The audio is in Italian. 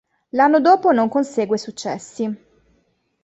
L'anno dopo non consegue successi.